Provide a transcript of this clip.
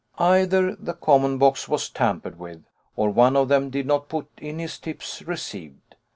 Either the common box was tampered with, or one of them did not put in his tips received.